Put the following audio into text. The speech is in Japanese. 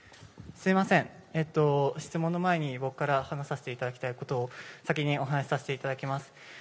すいません、質問の前に僕から話させていただきたいことを先に話させていただきます。